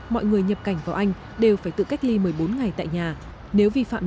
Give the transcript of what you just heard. mọi người nhập cảnh vào anh đều phải tự cách ly một mươi bốn ngày tại nhà